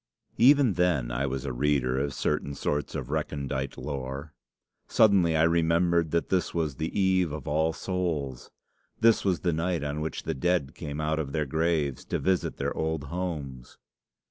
"Even then I was a reader of certain sorts of recondite lore. Suddenly I remembered that this was the eve of All Souls. This was the night on which the dead came out of their graves to visit their old homes.